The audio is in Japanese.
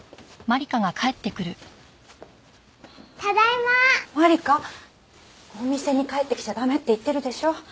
万理華お店に帰ってきちゃ駄目って言ってるでしょ。